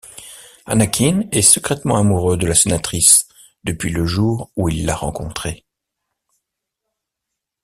Anakin est secrètement amoureux de la sénatrice depuis le jour où il l'a rencontrée.